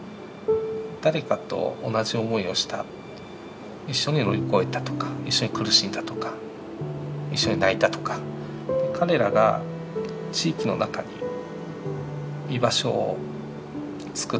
誰かと同じ思いをした一緒に乗り越えたとか一緒に苦しんだとか一緒に泣いたとか彼らが地域の中に居場所をつくっていく。